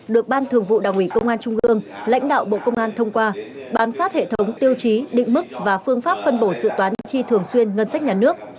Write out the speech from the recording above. được ban thường vụ đảng ủy công an trung ương lãnh đạo bộ công an thông qua bám sát hệ thống tiêu chí định mức và phương pháp phân bổ dự toán chi thường xuyên ngân sách nhà nước